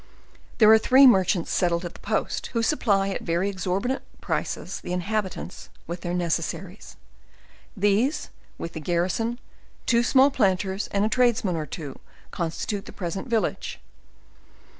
There are three merchants settled at the post, who supply, at very exorbitant prices, the inhabitants with their necessaries; these, with the garrison, two small planters, and a tradesman or two, constitute the present vil lage.